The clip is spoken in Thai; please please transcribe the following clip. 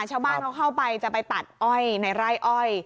ชาวบ้านเขาเข้าไปจะไปตัดอ้อยในไร่อ้อย